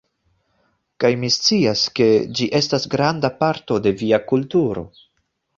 Kaj mi scias, ke ĝi estas granda parto de via kulturo